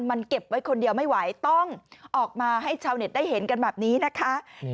มันเก็บไว้คนเดียวไม่ไหวต้องออกมาให้ชาวเน็ตได้เห็นกันแบบนี้นะคะ